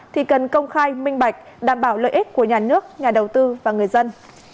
thì cần công khai minh bạch đảm bảo lợi ích của nhà nước nhà đầu tư và người dân